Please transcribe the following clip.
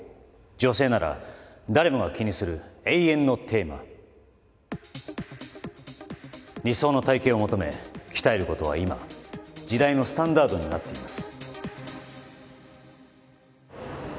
女性なら誰もが気にする永遠のテーマ理想の体形を求め鍛えることは今時代のスタンダードになっています